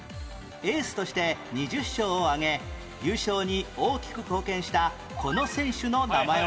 エースとして２０勝を挙げ優勝に大きく貢献したこの選手の名前は？